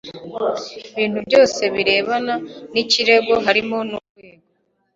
bintu byose birebana n ikirego harimo n urwego